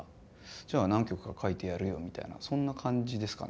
じゃあ何曲か書いてやるよみたいなそんな感じですかね